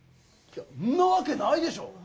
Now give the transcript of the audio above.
んなわけないでしょ！